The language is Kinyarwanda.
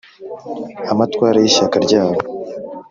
amatwara y'ishyaka ryabo